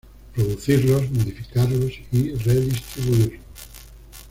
producirlos, modificarlos y redistribuirlos